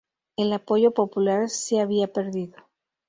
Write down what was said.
El apoyo popular se había perdido.